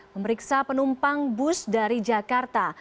memeriksa penumpang bus dari jakarta